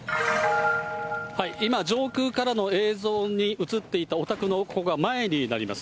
今、上空からの映像に写っていたお宅の、ここが前になります。